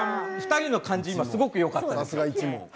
２人の感じがすごくよかったですね。